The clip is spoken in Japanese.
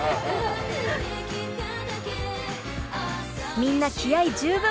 みんな気合い十分！